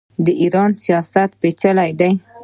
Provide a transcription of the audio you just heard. د ایران سیاست پیچلی دی.